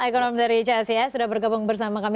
ekonomi dari cacs sudah bergabung bersama kami